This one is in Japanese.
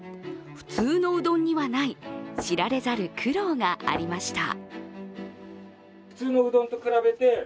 普通のうどんにはない、知られざる苦労がありました。